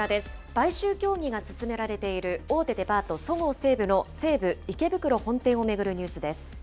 買収協議が進められている大手デパート、そごう・西武の西武池袋本店を巡るニュースです。